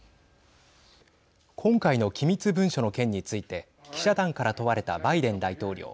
今回の機密文書の件について記者団から問われたバイデン大統領。